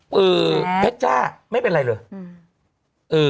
พซ่อพะจ้าไม่เป็นไรหรือ